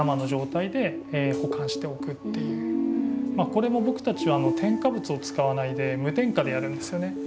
これも僕たちは添加物を使わないで無添加でやるんですよね。